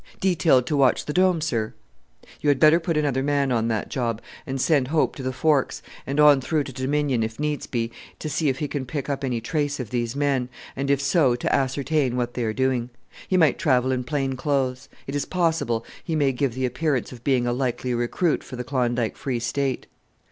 "Detailed to watch the Dome, sir." "You had better put another man on that job, and send Hope to the Forks, and on through to Dominion, if needs be, to see if he can pick up any trace of these men, and if so to ascertain what they are doing. He might travel in plain clothes. It is possible he may give the appearance of being a likely recruit for the Klondike Free State."